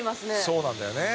そうなんだよね。